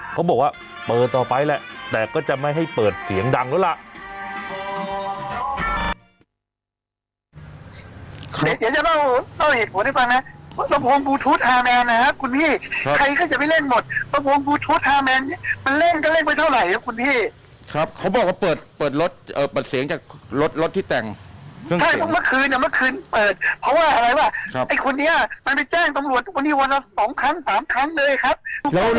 เขาบอกว่าเปิดต่อไปแหละแต่ก็จะไม่ให้เปิดเสียงดังแล้วล่ะ